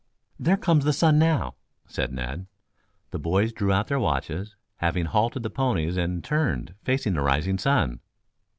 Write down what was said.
"There comes the sun now," said Ned. The boys drew out their watches, having halted the ponies and turned facing the rising sun.